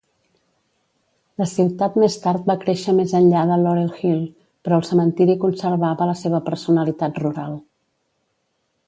La ciutat més tard va créixer més enllà de Laurel Hill, però el cementiri conservava la seva personalitat rural.